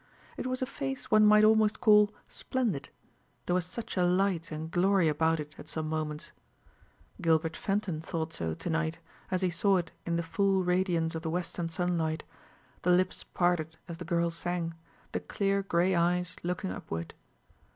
It was a face one might almost call "splendid" there was such a light and glory about it at some moments. Gilbert Fenton thought so to night, as he saw it in the full radiance of the western sunlight, the lips parted as the girl sang, the clear gray eyes looking upward.